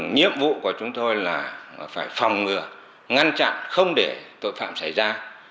nhiệm vụ của chúng tôi là phải phòng ngừa ngăn chặn không để tội phạm xảy ra